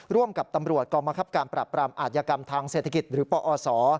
ร่วมกับตำรวจกองมักกับการปราบปลาอัศยกรรมทางเศรษฐภิกษ์หรือปอศ